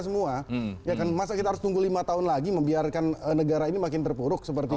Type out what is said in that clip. semua ya kan masa kita harus tunggu lima tahun lagi membiarkan negara ini makin terpuruk seperti